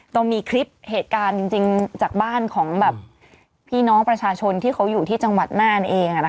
ต้องมีคลิปเหตุการณ์จริงจากบ้านของแบบพี่น้องประชาชนที่เขาอยู่ที่จังหวัดน่านเอง